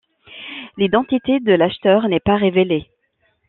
L'identité de l'acheteur n'est pas révélée.